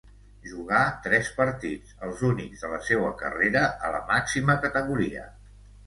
Jugà tres partits, els únics de la seua carrera a la màxima categoria.